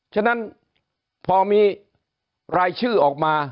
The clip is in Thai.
ฉะนั้นพอมีรายชื่อออกมา